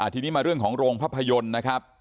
ทีนี้มาเรื่องของโรงภาพยนตร์นะครับ